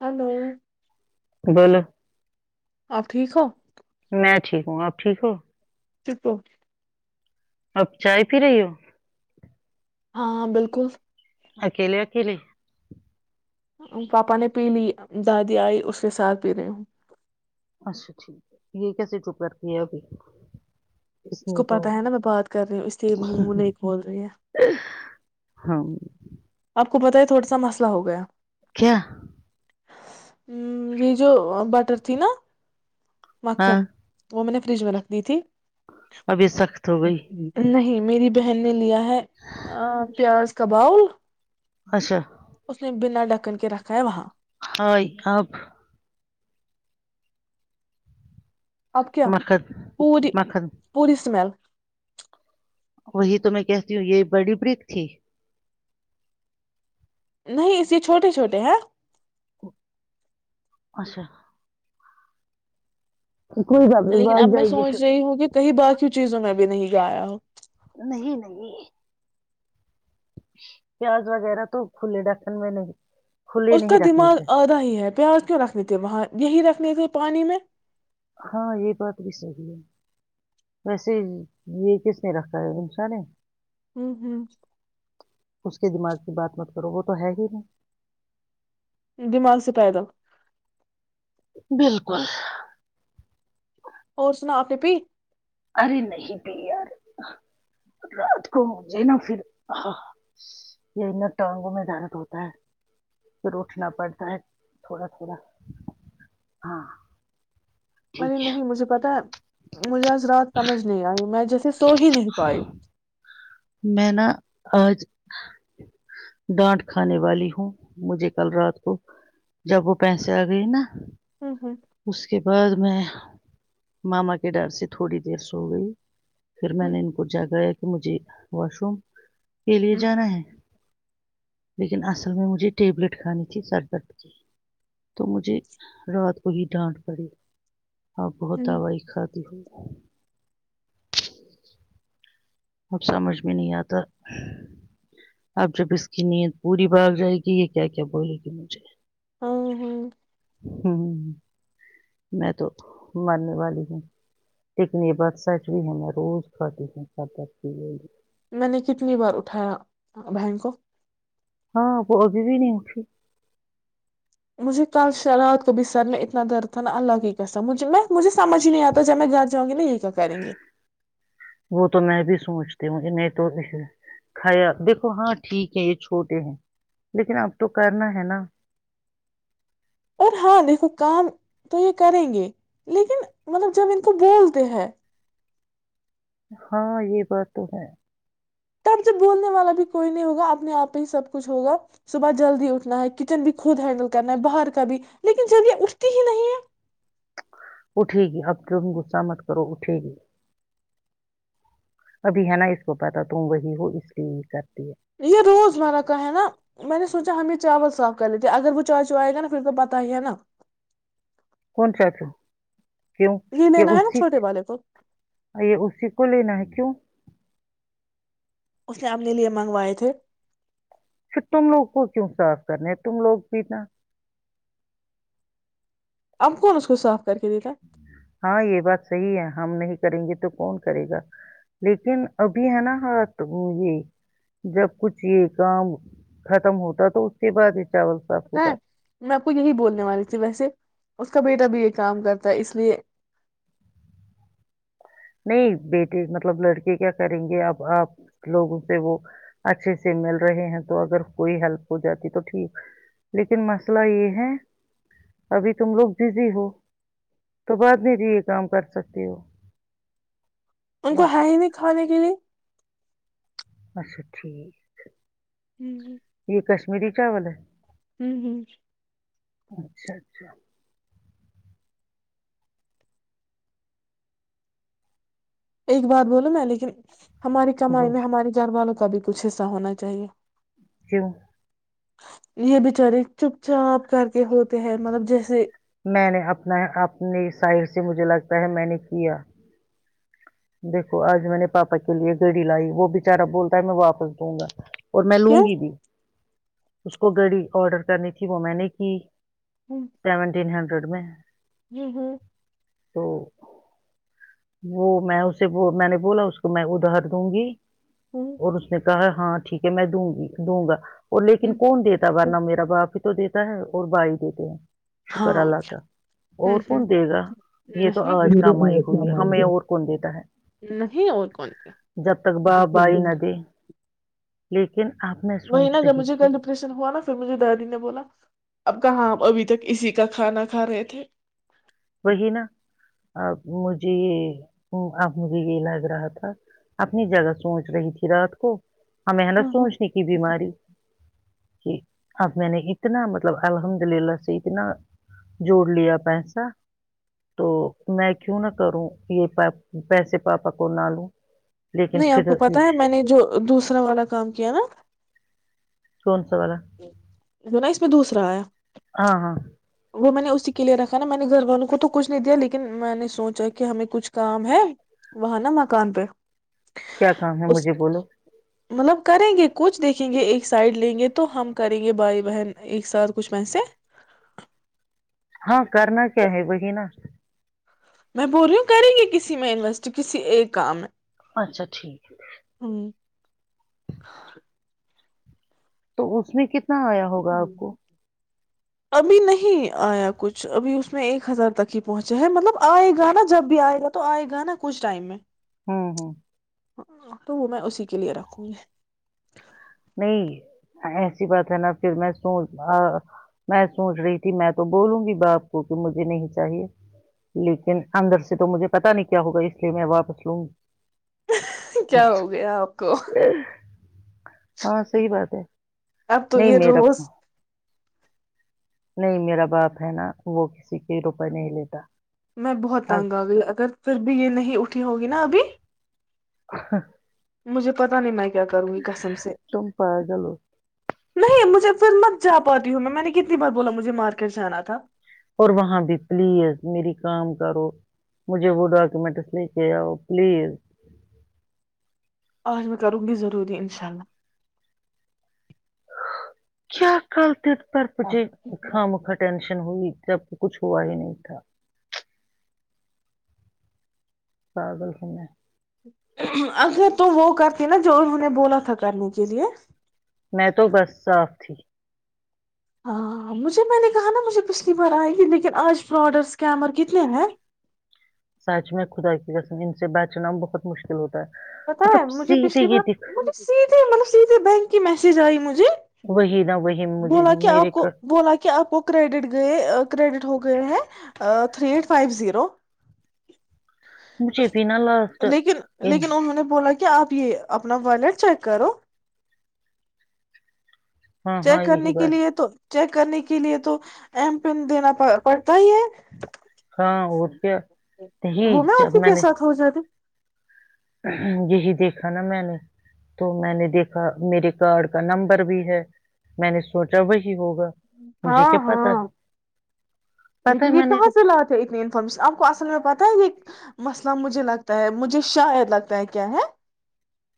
Hello [unintelligible] بول [unintelligible] آپ ٹھیک ہو میں ٹھیک ہوں آپ ٹھیک ہو چتو [unintelligible] اب چائے پی رہی ہو ہاں بالکل اکیل اکیلی پاپا نے پی لی دادی آئی اس کے ساتھ پی رہی ہوں اچھا ٹھیک ہے یہ کیسے چپ کرتی ہے ابھی [unintelligible] اس کو تو پتاہ ہے نا میں بات کر رہی ہوں اس لیے من نہیں کھول رہی ہے ہاں [unintelligible] آپ کو پت ہے تھوڑا سا مسئلہ ہو گیا [unintelligible] کیا؟ [unintelligible] ہ یہی جو بٹر تھی نا [unintelligible] مکھن وہ میں نے [unintelligible] رج میں رکھ دی تھی [unintelligible] اب یہ سخت ہو گئی [unintelligible] نہیں میری بہن نے لیا ہے [unintelligible] ہے ا پیاز [unintelligible] کباول اچھا [unintelligible] اس نے بنا ڈک [unintelligible] کرن کے رکھا ہے وہاں [unintelligible] ہو آب [unintelligible] اب کیا مکھن پوری مکھن پوری اسمیل [unintelligible] وہی تو میں کہتی ہوں یہ بڑی بریک تھی [unintelligible] نہیں اسے چھوٹے چھوٹے ہیں [unintelligible] اچھا [inaudible] کوئی باب نہیں لیکن باہ اب میں جائے گی چ سوچ [inaudible] رہی ہوں کہ کہیں باقی چیزوں میں بھی نہیں گایا ہ [unintelligible] نہیں نہیں [unintelligible] پیاز وغیرہ تو کھے ڈکھن میں نے [unintelligible] اس کا دماغ آدھا ہی ہے [unintelligible] پیاز کیوں رکھنے تھے وہاں یہی رکھنے تھے پانی میں [inaudible] ہاں یہ بات بھی صحی ہے ویسے یہ [unintelligible] پ رکھا د د سرے ہوں ہوں [inaudible] [unintelligible] دماغ سے پیدل [unintelligible] بالکل [inaudible] اور سنا اپنیپی [unintelligible] ارے نہیں پھی یار رات کو مجھے نا پھر یہ ن ٹانگوں میں درت ہوتا ہے پھر اٹھنا پڑتا ہے تھوڑا تھوڑا ہاں [unintelligible] ارے ٹھیک ہے نہیں مجھے پتا ہے [unintelligible] مجھے آز رات سمجھ نہیں آئی [unintelligible] میں جیسے سو ہی نہیں پائی [unintelligible] میں نا آج ڈانٹ کھانے والی ہوں مجھے کل رات کو جب وہ پیسے آ گئی نا [unintelligible] ہوں ہوں [inaudible] اس کے بعد میں ماما کے ڈر سے تھوڑی دیر سو گئی [unintelligible] پھر میں ہوں نے ان کو جاگ گایا کہ مجھے [unintelligible] واشوم [inaudible] کے لیے جانا ہے [unintelligible] لیکن اصل میں مجھے ٹیبلیٹ کھانی تھی سربرد کی تو مجھے رات [unintelligible] کوی ڈانٹ پڑی [inaudible] ہاں بہت ہوں ہوں آواز کھاتی ہو [unintelligible] اب سمجھ میں نہیں آتا اب جب اس کی نیت پوری بھاگ جائے گی یہ کیا کیا بولے گی مجھے [unintelligible] او ہ [inaudible] ہ میں تو مرنے والی ہوں لیکنی بادشاہ چ بھی ہے میں روز کھدی ہوں کھدا [inaudible] جی [inaudible] میں نے کتنی بار اٹھایا بہن کو [unintelligible] ہاں وہ ابھی بھی نہیں اٹھی [unintelligible] مجھے کل رات کو بسرنے اتنا درد تھا نا اللہ کی کیسا مھ مجھے [unintelligible] سمجھ ہی نہیں آتا جب میں گھر جاؤں گی نا یہ کا کریں گے بھی [unintelligible] سوچتی مجھے میں تو کھایا دیکھو ہاں ٹھیک ہے یہ چھوٹے ہیں لیکن اب تو کرنا ہے نا [inaudible] اور ہاں دیکھو کام تو یہ کریں گے لیکن مطلب جب ان کو بولتے ہیں [unintelligible] ہاں یہ بات تو ہے [unintelligible] ٹائم سے بولنے والا بھی کوئی نہیں ہوگا اپنے آپ پہ ہی سب کچھ ہوگا صبح جلدی اٹھنا ہے کچن بھی خود ہینڈل کرنا ہے باہر کا بھی لیکن جب یہ اٹھتی ہی نہیں ہے [unintelligible] اٹھے گی اب تم غصہ مت کرو اٹھے گی ابھی ہے نا اس کو پتا تم وہی ہو اس لیے ہی کر یہ روز مرہ کہ نا میں نے سچ ہمیں چاول صاف کر لیتے ہیں اگر وہ چائے چو آئے گا نا پھر تو پت ہی ہے نا کون سا ہے تو کیوں یہ لینا ہے نا اسی چھوٹے والے کو یہ اسی کو لینا ہے کی کیوں اس نے اپنے لیے منگوائے تھے پھر تم لوگ کو کیوں صاف کرنے ہیں تم لوگ پیننا اپ کون اس کو سا ہاں یہ بات صحی ہے ہم نہیں کریں گے تو کون کرے گا لیکن ابھی ہے نا ہات یہ جب کچھ یہ کام ختم ہوتا تو اس کے بعد چاول صاف پتا ہوتا ہے میں آپ کو یہی بولنے والی تھی ویسے اس کا بیٹا بھی یہ کام کرتا ہے اس لیے نہیں بیٹے مطلب لڑکے کیا کریں گے اب آپ لوگوں سے وہ اچھے سے مل رہے ہیں تو اگر کوئی ہیلپ ہو جاتی تو ٹھیک لیکن مسئلہ یہ ہے ابھی تم لوگ بزی ہو تو بعد میں ج یہ کام کر سکتے ہو ان کو اب ہے ہی نہیں کھانے کے لیے اچھا ٹھیک ہوں جی میری چاول ہے ہوں ہوں اچھا اچھا ایک بات بولو میں لیکن ہماری کمائی بول میں ہماری جھر والوں کا بھی کچھ ایسا ہونا چاہیے ج یہ بچارے چپ چاپ کر کے ہوتے ہیں مطلب جیسے میں نے اپنا اپنی ساعر سے مجھے لگتا ہے میں نے کیا دیکھو آج میں نے پاپا کے لیے گڑی لائی وہ بچارا بولتا ہے میں واپس دوں گا اور میں لوں کیوں گی بھی اس کو گڑی آڈر کرنی تھی وہ میں نے کی سیمون تین ہنڈریڈ میں رو [inaudible] تو وہ میں اسے میں نے بولا اس کو میں ادھار دوں گی ہوں اور اسنے ا ہاں ٹھیک ہے میں دوں گی دوں گا لیکن کون دیتا ہوں۔ ورنہ میرا باپ ہی تو دیتا تا ہے اور بھائی دیتے ہیں شکر ہاں اللہ ہوں ت اور ہوں کون دے گا یہ تو نہیں آج کام آئی ہوئی ہے ہمیں اور کون دیتا ہے نہیں اور کون کیا۔ جب تک بہ بائی ندی جی وہ نا جب مجھے کل ڈپریشن ہوا نا پھر مجھے دادی نے بولا اب کہاں ابھی تک اسی کا کھانا کھا رہے تھے وہی نا اب مجھے یہ اب مجھے یہ لگ رہا تھا اپنی جگہ سوچ رہی تھی رات کو ہمیں ہے نا ہاں ہاں سوچنے کی بیماری کہ اب میں نے اتنا مطلب الحمد للہ سے اتنا جوڑ لیا پیسہ تو میں کیوں نہ کروں یہ پیسے پاپا کو نہ لوں لیکن نہیں آپ پھر کو پتا ہے میں نے جو دوسرا والا کام کیا نا سن جائی [unintelligible] [inaudible] میں دوسرا آیا ہاں ہاں وہ میں نے اسی کے لیے رکھا نا میں نے گھر والوں کو تو کچھ نہیں دیا لیکن میں نے سوچا کہ ہمیں کچھ کام ہے وہاں نا مکان پہ کیا کام ہے اس مجھے بولو مطلب کریں گے کچھ دیکھیں گے ایک سائڈ لیں گے تو ہم کریں گے بھائی بہن ایک ساتھ کچھ پیسے ہاں کرنا کیا ہے وہی نا میں بول رہی ہوں کریں گی کسی میں انویسٹ کسی ایک کام میں اچھا ٹھیک ہے اور تو اس نے کتنے کتنا آیا ہوگا آپ کو ابھی نہیں آیا کچھ ابھی اس میں ایک ہزار تک ہی پہنچے ہے مطلب آئے گا نا جب بھی آئے گا تو آئے گا نا کچھ ٹائم میں [unintelligible] ہوں ہوں [unintelligible] ہ تو وہ میں اسی کے لیے رکھوں گی [unintelligible] نہیں ایسی بات ہے نا پھر میں سوچ میں سوچ رہی تھی میں تو بولوں گی باپ کو کہ مجھے نہیں چاہیے لیکن اندر سے تو مجھے پتا نہیں کیا ہوگا اس لیے میں واپس لوں گ کیا ہو گیا آپ کو [unintelligible] [inaudible] [unintelligible] ہاں صحی بات ہے [unintelligible] اب تو نہیں یہ میرا روز [unintelligible] نہیں میرا باپ ہے نا وہ کسی کے روپئے نہیں لیتا میں بہت اب تانگا گی اگر پھر بھی یہ نہیں اٹھی ہوگی نا ابھی [unintelligible] ہ [unintelligible] مجھے پتا نہیں [unintelligible] کروں گی کسم سے تم پاگل ہو نہیں مجھے پھر مت جا پاتی ہوں میں میں نے کتنی [unintelligible] بات بولا مجھے مارکیٹ سے آنا تھا [unintelligible] اور وہاں بھی پلیز میری کام کرو مجھے وہ ڈاکومینٹس لے کے آؤ پلیز [unintelligible] آج میں کروں گی ضروری انشاء اللہ [unintelligible] کیا کالتی [unintelligible] گھر پچے خا مکھا ٹشن ہوئی ج [unintelligible] کچھ ہوا ہی نہیں تھا [unintelligible] سار دل کا [unintelligible] اگرر تو وہ کرتی نا جو انہوں نے بولا تھا کرنے کے لیے [unintelligible] میں تو بس صاف تھی [unintelligible] ہاں مجھے میں نے کہا نا مجھے پچھلی بار آئے گی لیکن آج پراڈرس کیمر کتنے ہیں [unintelligible] سچ میں خدا کی رسم ان سے بچنا بہت مشکل ہوتا ہے [unintelligible] پتا ہے مطلب مجھے سیدھے پچھلی یہ بار دکھ م سیدھے مطلب سیدھے ب [unintelligible] کہ میسیج آئیجت [unintelligible] جی وہی نہ وہی مجھے بولا کہ آپ میرے کو کا بولا کہ آپ کو کریڈٹ گئے کریڈٹ ہوگ [unintelligible] تھ ایٹ فو ز [unintelligible] مجھے بھی نا لاسٹ لیکن ان لیکن انہوں نے بولا کہ [unintelligible] کیا آپ یہ اپنا والیٹ چیک کرو [unintelligible] ہاں ہاں چیک کرنے یہی کے بات لیے تو [unintelligible] چیک کرنے کے لیے تو ایم پن دینا پڑتا ہی ہے [unintelligible] ہاں اٹ کے [unintelligible] وہ میں آپ کے کے ساتھ ہو جاتی [unintelligible] یہی دیکھا نا میں نے تو میں نے دیکھا میرے کارڈ کا نمبر بھی ہے میں نے سوچا وہی ہوگا [unintelligible] مجھے ہاں کیا پتا ہاں ہے [unintelligible] پتا ہے لیکن یہ میں نے کہاں رخ سے لاات ہے اتنی انفارمیشن آپ کو اصل میں پتہ ہے یہ [unintelligible] مسئلہ مجھے لگتا ہے مجھے شاید لگتا ہے کیا ہے [unintelligible]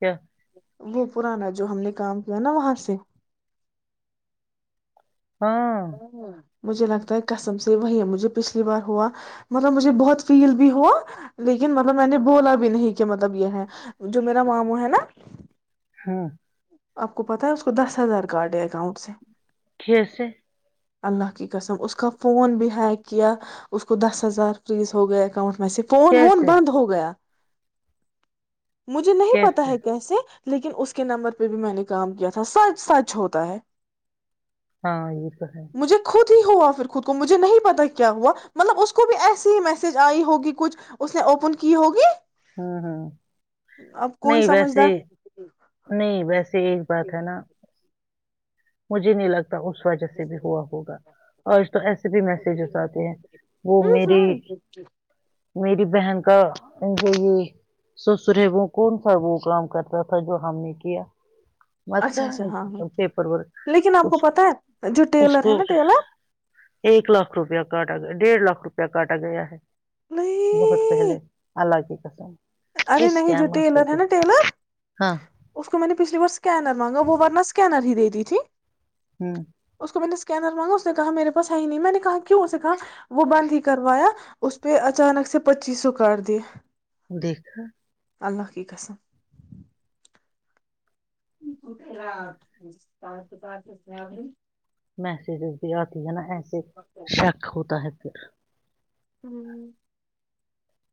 ا [inaudible] وہ پرانا جو ہم نے کام کیا نا وہاں سے ہاں ہاں مجھے لگتا ہے کسم سے وہی مجھے پچھلی بار ہوا مطلب مجھے بہت فیل بھی ہوا لیکن مطلب میں نے بولا بھی نہیں کہ مطلب یہ ہے جو میرا ماموں ہے نا ہاں آپ کو پتاہ ہے اس کو دس ہزار کاارڈ ہے اکاؤنٹ سے کھ سےے اللہ کی قسم اس کا فون بھی ہیک کیا اس کو دس ہزار فریز ہو گیا اکاؤنٹ ویسے فون وون کیسے بند ہو گیا مجھے نہیں پتا ہے کیسے لیکن اس کے نمبر پہ بھی میں نے کام کیا تھا س سچ ہوتا ہے [unintelligible] ہاں یہ تو ہے [unintelligible] مجھے خود ہوا پھر خود کو مجھے نہیں پتا کیا ہوا مطلب اس کو بھی ایسی ہی میسج آئی ہوگی کچھ اس نے اوپن کی ہوگی [unintelligible] ہاں ہاں اب کوئی نہیں ویسے سمجھدار نہیں ویسے ایک بات ہے نا [unintelligible] مجھے نہیں لگتا [unintelligible] اس وجہ سے بھی ہوا ہوگا آج تو ایسے بھی میسیجیس آتے ہیں وہ ہوں میری ہوں میری بہن کا [unintelligible] یہ ستارے وہ کون سا وہ کام کرتا تھا جو ہم نے کیا [unintelligible] مت اچھا کر اچھا ہاں ہاں ان سے پرور [unintelligible] لیکن آپ کو پتا ہے جو ٹیلر ہے نا ٹیلر [unintelligible] ایک لاکھ روپیہ کاٹا ڈیڑھ لاکھ روپیہ کاٹا گیا ہے [unintelligible] بہت پہلے نہیں الگ ہے [unintelligible] [inaudible] [unintelligible] ارے نہیں جو ٹیلر ہے نا ٹیلر ہاں اس کو میں نے پچھلی بار اسکینر مانگا ی تھی [unintelligible] جی ہوں اس کو میں نے [unintelligible] اسکینر مانگا اس نے کہا میرے پاس ہے ہی نہیں میں نے کہا کیوں اسے کہا وہ بند ہی کروایا اس پہ اچانک سے پچیس سو کر دییا [unintelligible] دیکھا [unintelligible] اللہ کی قسم [unintelligible] [unintelligible] [unintelligible] میسیج بھی آتی ہے نا ایسے شک ہوتا ہے پھر [unintelligible] ہوں [unintelligible]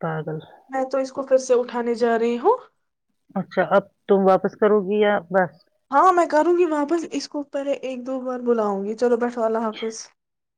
پاگل [unintelligible] اوپر سے اٹھانے جا رہی ہوں [unintelligible] اچھا اب تم واپس کرو گی یا بس [unintelligible] ہاں میں کروں گی واپس اس کو پہے ایک دو بار بلاؤں گی [unintelligible] چلو بیٹھو اللہ حافظ [unintelligible]